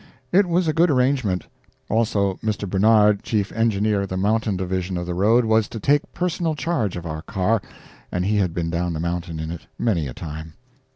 It was a good arrangement. Also Mr. Barnard, chief engineer of the mountain division of the road, was to take personal charge of our car, and he had been down the mountain in it many a time.